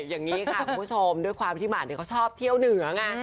อย่างนี้คะคุณผู้ชมด้วยความที่บ้านมันเขาพี่แข็งชอบเที่ยวเหนือง